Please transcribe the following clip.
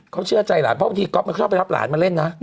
เพราะบางทีก๊อปไม่ชอบไปรับหลานมาเล่นนะ